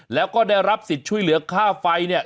แล้วก็ได้รับสิทธิ์ช่วยเหลือค่าไฟเนี่ย